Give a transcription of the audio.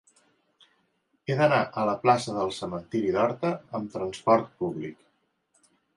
He d'anar a la plaça del Cementiri d'Horta amb trasport públic.